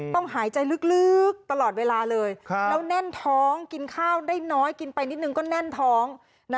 หายใจลึกตลอดเวลาเลยแล้วแน่นท้องกินข้าวได้น้อยกินไปนิดนึงก็แน่นท้อง